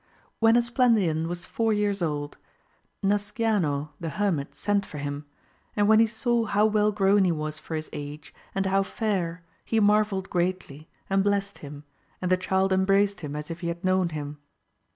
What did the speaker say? HEN Esplandian was four years old Nasciano the hermit sent for him, and when he saw how well grown he was for his age and how fair he marvelled greatly, and blessed him, and the child embraced him as if he had known him.